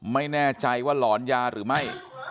ไม่แน่ใจว่าหลอนยาหรือไม่